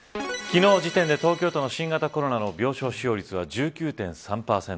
昨日時点で東京都の新型コロナの病床使用率は１９．３％。